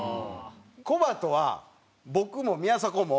コバとは僕も宮迫も。